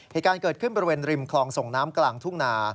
เหตุการณ์เกิดขึ้นบริเวณริมคลองส่งน้ำกลางทุ่งนา